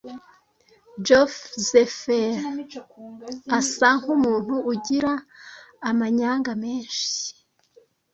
Josehl asa nk umuntu ugira amanyanga meshyi